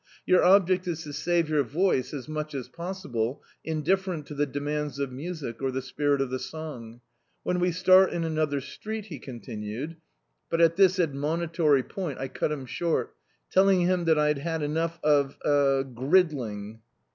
Your object is to save your voice as much as possible, indiffer ent to the demands of music, or the spirit of the song. When we start in another street," he ccmtin ued, — but at this admonitory point I cut him short, telling him that I had had enou^ of — eh — gridling.